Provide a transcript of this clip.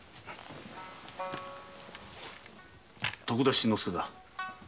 徳田新之助だ。